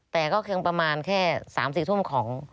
แต่ก็คือประมาณแค่สามสิบทุ่มของ